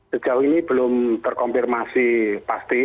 sejauh ini belum terkonfirmasi pasti